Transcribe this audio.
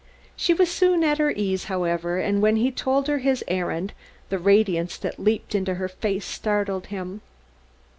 She was soon at her ease, however, and when he told her his errand the radiance that leaped into her face startled him.